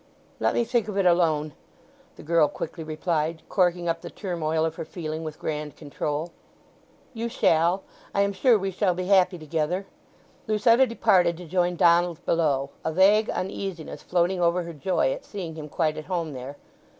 "Let me think of it alone," the girl quickly replied, corking up the turmoil of her feeling with grand control. "You shall. I am sure we shall be happy together." Lucetta departed to join Donald below, a vague uneasiness floating over her joy at seeing him quite at home there.